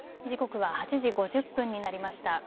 時刻は８時５０分になりました。